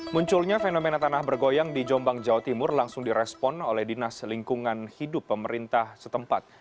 munculnya fenomena tanah bergoyang di jombang jawa timur langsung direspon oleh dinas lingkungan hidup pemerintah setempat